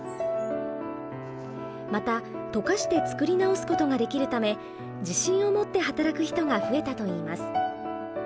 また溶かして作り直すことができるため自信を持って働く人が増えたといいます。